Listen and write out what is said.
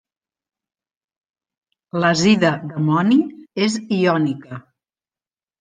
L'azida d'amoni és iònica.